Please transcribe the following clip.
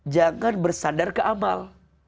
jangan bersandar ke amal